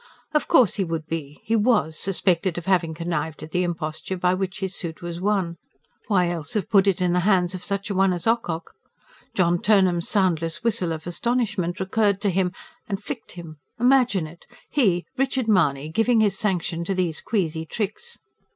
Of course he would be he was suspected of having connived at the imposture by which his suit was won why else have put it in the hands of such a one as Ocock? John Turnham's soundless whistle of astonishment recurred to him, and flicked him. Imagine it! He, Richard Mahony, giving his sanction to these queasy tricks!